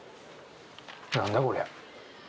何だこりゃ？